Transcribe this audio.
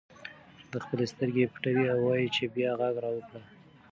دی خپلې سترګې پټوي او وایي چې بیا غږ راوکړه.